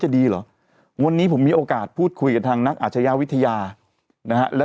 ดีเหรอวันนี้ผมมีโอกาสพูดคุยกับทางนักอาชญาวิทยานะฮะแล้ว